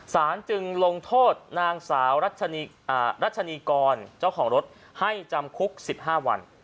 สารจึงลงโทษนางสาวรัชนีกรเจ้าของรถให้จำคุก๑๕วัน